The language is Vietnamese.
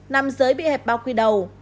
năm giới bị hẹp bao quy đầu